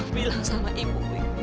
kamu bilang sama ibu bu